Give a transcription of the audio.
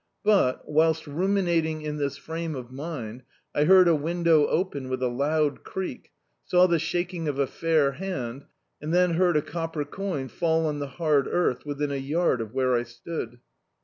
But, whilst ruminating in this frame of mind, I heard a window open with a loud creak, saw the shaking of a fair hand, and then heard a copper coin fall on the hard earth within a yard of where I stood.